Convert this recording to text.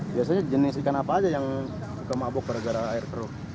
biasanya jenis ikan apa aja yang suka mabuk bergara air keruh